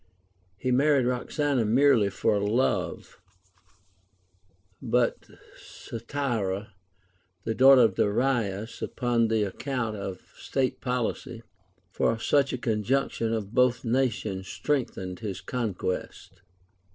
He married Roxana merely for love ; but Statira, the daughter of Darius, upon the account of state poHcy, for such a conjunction of both nations strengthened his conquest.